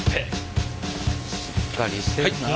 しっかりしてるな。